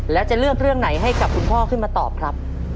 แล้วจะเลือกเรื่องไหนให้กับคุณพ่อขึ้นมาตอบครับ